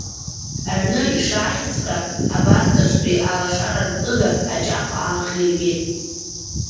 Аҩны ишааизҵәҟьа, абарҵаҿтәи алашараркыга аҷах аахиргеит.